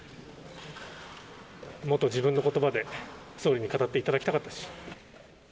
もっと自分のことばで総理に語っていただきたかったです。